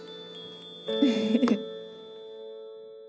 フフフッ。